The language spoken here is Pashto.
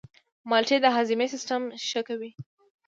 مالټې د هاضمې سیستم ښه کوي.